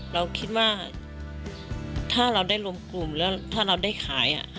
เราคิดว่าถ้าเราได้รวมกลุ่มแล้วถ้าเราได้ขาย